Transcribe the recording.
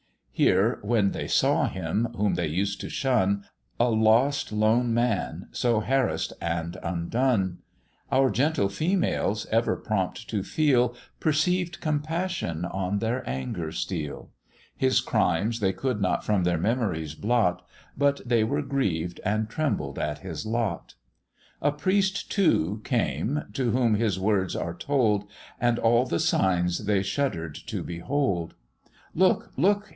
Here when they saw him, whom they used to shun, A lost, lone man, so harass'd and undone; Our gentle females, ever prompt to feel, Perceived compassion on their anger steal; His crimes they could not from their memories blot, But they were grieved, and trembled at his lot. A priest too came, to whom his words are told; And all the signs they shudder'd to behold. "Look! look!"